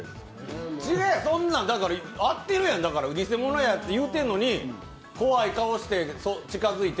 そんなん、だから合ってるやん、ニセモノや言うてるのに怖い顔して近づいて。